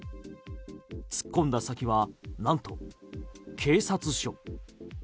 突っ込んだ先はなんと警察署。